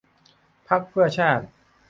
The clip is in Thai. พรรคเพื่อชาติ